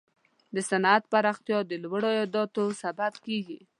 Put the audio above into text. د صنعت پراختیا د لوړو عایداتو سبب کیږي.